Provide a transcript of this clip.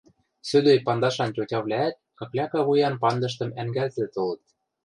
Сӧдӧй пандашан тьотявлӓӓт какляка вуян пандыштым ӓнгӓлтӹл толыт.